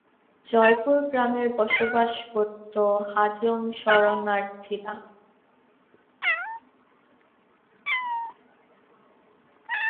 জয়পুর গ্রামের বসবাস করত হাজং শরণার্থীরা।